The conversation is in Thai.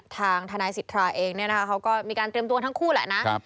ทางทนายสิทธาเองเนี่ยนะคะเขาก็มีการเตรียมตัวทั้งคู่แหละนะ